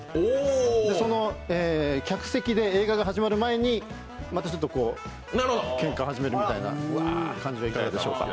その客席で映画が始まる前にまたちょっとけんかを始めるみたいな感じはいかがでしょうか。